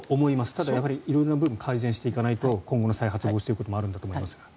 ただやはり色んな部分を改善しないと今後の再発防止ということもあるんだと思いますが。